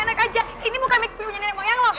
eh enak aja ini bukan mikip punya nenek moyang loh